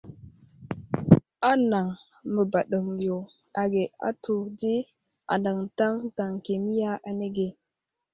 Anaŋ məbaɗeŋiyo age ahtu di anaŋ taŋtaŋ kemiya anege.